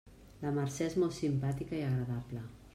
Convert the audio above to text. La Mercè és molt simpàtica i agradable.